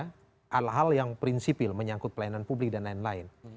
ada hal hal yang prinsipil menyangkut pelayanan publik dan lain lain